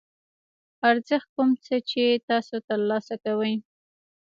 ارزښت کوم څه چې تاسو ترلاسه کوئ.